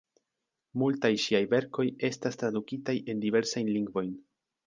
Multaj ŝiaj verkoj estas tradukitaj en diversajn lingvojn.